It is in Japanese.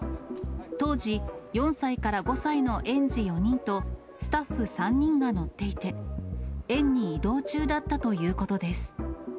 当時、４歳から５歳の園児４人と、スタッフ３人が乗っていて、園に移動中だったということです。